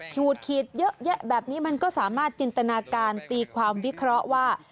ขูดขีดเยอะแยะแบบนี้มันก็สามารถจินตนาการตีความวิเคราะห์ว่า